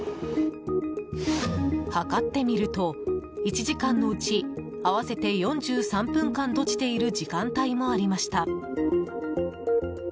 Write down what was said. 計ってみると、１時間のうち合わせて４３分間閉じている時間帯もありました。